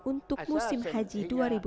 untuk musim haji dua ribu dua puluh